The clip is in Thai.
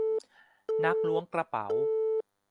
นักล้วงกระเป๋า